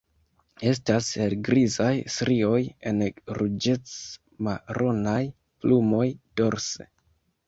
Estas helgrizaj strioj en ruĝec-maronaj plumoj dorse.